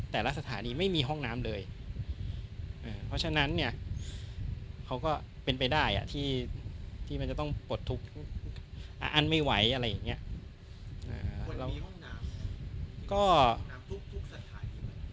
แต่ละสถานีไม่มีห้องน้ำเลยเพราะฉะนั้นเนี่ยเขาก็เป็นไปได้ที่มันจะต้องปลดทุกอันไม่ไหวอะไรอย่างเงี้ย